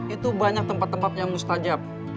itu banyak tempat tempat yang mustajab